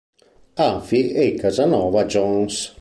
Afi e Casanova Jones.